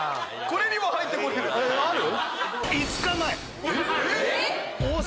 これにも入ってこれる！